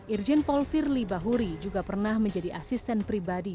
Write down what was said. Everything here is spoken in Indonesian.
irjen paul firly bahuri juga pernah menjadi asisten pribadi